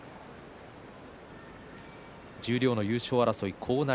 十両の優勝争い。